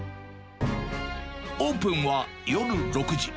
オープンは夜６時。